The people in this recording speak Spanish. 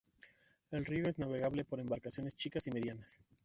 El río es navegable por embarcaciones chicas y medianas.